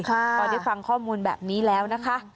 พอได้ฟังข้อมูลแบบนี้แล้วนะคะ